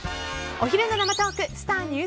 お昼の生トークスター☆